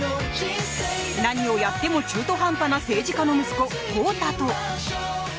何をやっても中途半端な政治家の息子・豪太と。